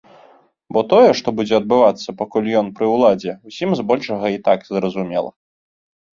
Бо тое, што будзе адбывацца, пакуль ён пры ўладзе, усім збольшага і так зразумела.